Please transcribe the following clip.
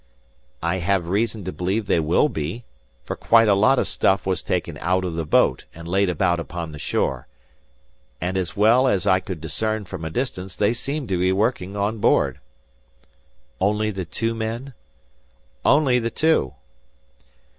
"I have reason to believe they will be, for quite a lot of stuff was taken out of the boat, and laid about upon the shore; and as well as I could discern from a distance they seemed to be working on board." "Only the two men?" "Only the two."